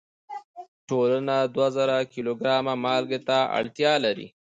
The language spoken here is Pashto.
ټولنه دوه زره کیلو ګرامه مالګې ته اړتیا لري.